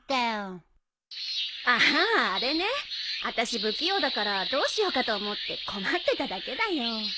あああれねあたし不器用だからどうしようかと思って困ってただけだよ。